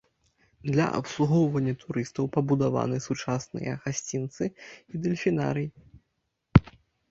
Для абслугоўвання турыстаў пабудаваны сучасныя гасцініцы і дэльфінарый.